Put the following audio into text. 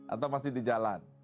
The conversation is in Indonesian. atau masih di jalan